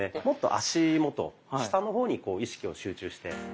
もっと足元下の方に意識を集中して。